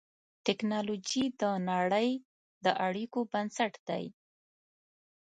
ټکنالوجي د نړۍ د اړیکو بنسټ دی.